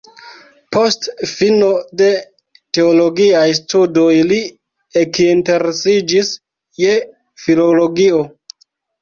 Post fino de teologiaj studoj li ekinteresiĝis je filologio.